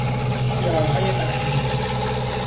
شیارهای مغزی